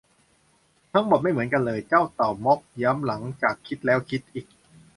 ทั้งหมดไม่เหมือนกันเลย เจ้าเต่าม็อคย้ำหลังจากคิดแล้วคิดอีก